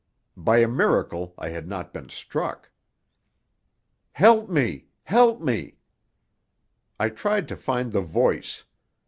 By a miracle I had not been struck. "Help me! Help me!" I tried to find the voice.